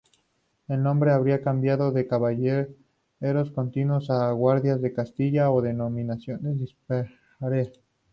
El nombre habría cambiado de caballeros continuos a "Guardas de Castilla o denominaciones dispares".